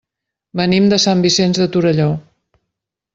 Venim de Sant Vicenç de Torelló.